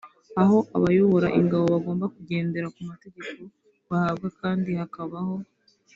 aho abayobora ingabo bagomba kugendera ku mategeko bahabwa kandi hakabaho